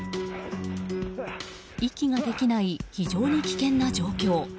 息ができない非常に危険な状況。